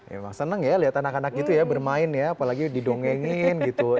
emang seneng ya lihat anak anak gitu ya bermain ya apalagi didongengin gitu